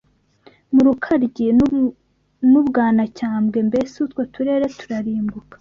mu Rukaryi n’u Bwanacyambwe mbese utwo turere turarimbuka